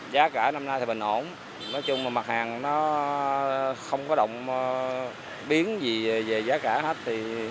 giá cả năm nay thì bình ổn nói chung là mặt hàng nó không có động biến gì về giá cả hết